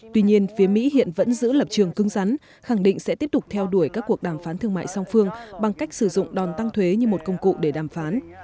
tiếp tục theo đuổi các cuộc đàm phán thương mại song phương bằng cách sử dụng đòn tăng thuế như một công cụ để đàm phán